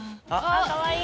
かわいい！